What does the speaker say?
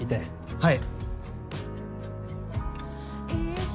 はい。